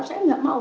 saya tidak mau